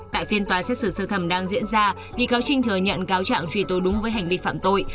tại phiên tòa xét xử sơ thẩm đang diễn ra bị cáo trinh thừa nhận cáo trạng truy tố đúng với hành vi phạm tội